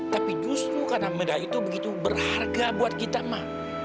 tapi justru karena medali itu begitu berharga buat kita mah